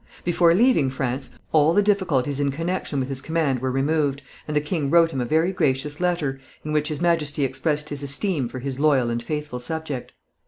Before leaving France, all the difficulties in connection with his command were removed, and the king wrote him a very gracious letter, in which His Majesty expressed his esteem for his loyal and faithful subject.